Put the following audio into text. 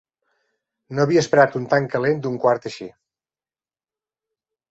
No havia esperat un tan calent d'un quart així.